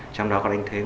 trong đó có đánh thuế